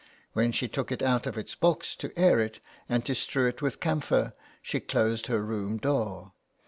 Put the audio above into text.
When she took it out of its box to air it and to strew it with camphor she closed her room door.